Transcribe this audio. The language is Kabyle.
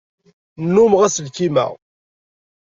Nnummeɣ aselkim-a.